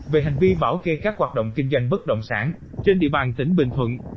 về hành vi bảo kê các hoạt động kinh doanh bất động sản trên địa bàn tỉnh bình thuận